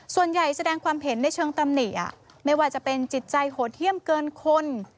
แสดงความเห็นในเชิงตำหนิไม่ว่าจะเป็นจิตใจโหดเยี่ยมเกินคน